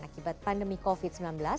akibat pandemi covid sembilan belas